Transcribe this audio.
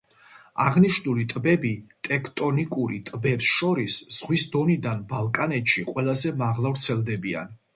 აღნიშნული ტბები ტექტონიკურ ტბებს შორის ზღვის დონიდან ბალკანეთში ყველაზე მაღლა ვრცელდებიან.